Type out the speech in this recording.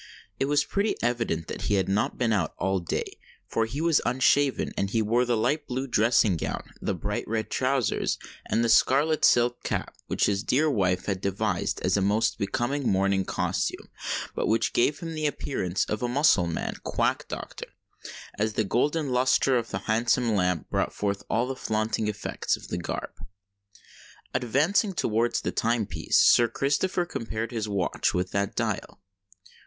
It was pretty evident that he had not been out all day; for he was unshaven—and he wore the light blue dressing gown, the bright red trousers, and the scarlet silk cap, which his dear wife had devised as a most becoming morning costume, but which gave him the appearance of a Mussulman quack doctor, as the golden lustre of the handsome lamp brought forth all the flaunting effects of the garb. Advancing towards the time piece, Sir Christopher compared his watch with that dial.